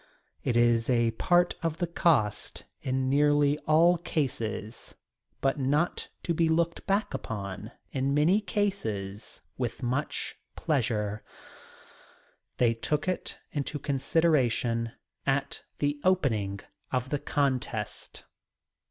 It is a part of the cost in nearly all cases but not to be looked back upon in many cases with much pleasure. They took it into consideration at the opening of the contest.